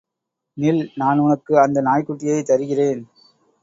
நில், நான் உனக்கு அந்த நாய்க் குட்டியைத் தருகிறேன்.